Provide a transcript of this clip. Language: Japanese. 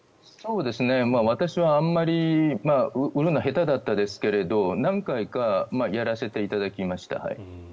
私はあんまり売るの下手だったですけれど何回かやらせていただきました。